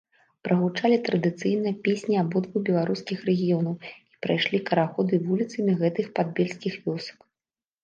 Прагучалі традыцыйныя песні абодвух беларускіх рэгіёнаў, і прайшлі карагоды вуліцамі гэтых падбельскіх вёсак.